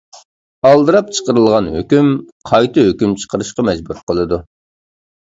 ئالدىراپ چىقىرىلغان ھۆكۈم، قايتا ھۆكۈم چىقىرىشقا مەجبۇر قىلىدۇ.